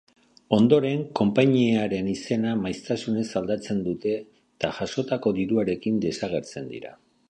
Ondoren konpainiaren izena maiztasunez aldatzen dute ta jasotako diruarekin desagertzen dira.